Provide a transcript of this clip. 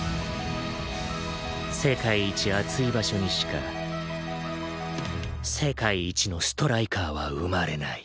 世界一熱い場所にしか世界一のストライカーは生まれない。